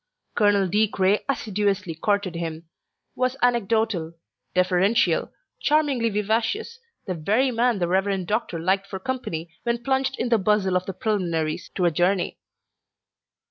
Colonel De Craye assiduously courted him, was anecdotal, deferential, charmingly vivacious, the very man the Rev. Doctor liked for company when plunged in the bustle of the preliminaries to a journey.